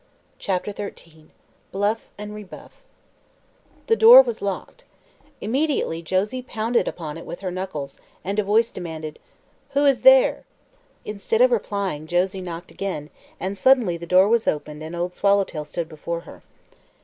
CHAPTER XIII BLUFF AND REBUFF The door was locked. Immediately Josie pounded upon it with her knuckles and a voice demanded: "Who is there?" Instead of replying, Josie knocked again, and suddenly the door was opened and Old Swallowtail stood before her.